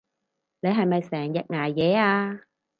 你係咪成日捱夜啊？